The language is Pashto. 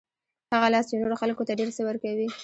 هغه لاس چې نورو خلکو ته ډېر څه ورکوي.